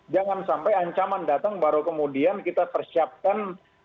jangan sampai ancaman datang baru kemudian kita persiapkan